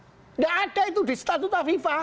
tidak ada itu di statuta fifa